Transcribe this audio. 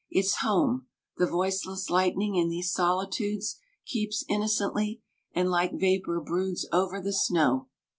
Its home The voiceless lightning in these solitudes Keeps innocently, and like vapour broods Over the snow.